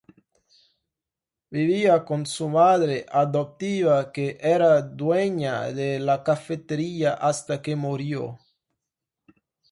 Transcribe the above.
Vivía con su madre adoptiva que era dueña de la cafetería hasta que murió.